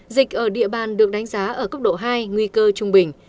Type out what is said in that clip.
dịch ở địa bàn được đánh giá ở cấp độ hai nguy cơ trung bình